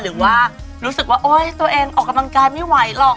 หรือว่ารู้สึกว่าโอ๊ยตัวเองออกกำลังกายไม่ไหวหรอก